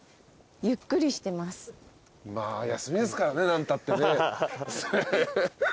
まあ休みですからね何たってね。